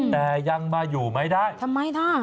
แต่ยังมาอยู่ไม่ได้ทำไมล่ะ